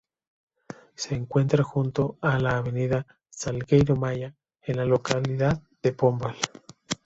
Se encuentra junto a la Avenida Salgueiro Maia, en la localidad de Pombal.